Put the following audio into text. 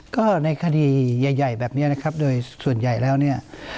ก็ในคดีใหญ่แบบนี้นะครับโดยส่วนใหญ่แล้วเนี่ย